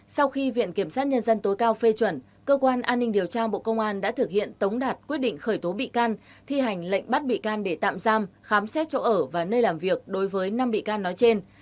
sau khi viện kiểm sát nhân dân tối cao phê chuẩn cơ quan an ninh điều tra bộ công an đã thực hiện tống đạt quyết định khởi tố bị can thi hành lệnh bắt bị can để tạm giam khám xét chỗ ở và nơi làm việc đối với năm bị can nói trên